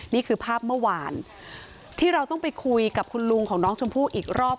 นี่คือภาพเมื่อวานที่เราต้องไปคุยกับคุณลุงของน้องชมพู่อีกรอบ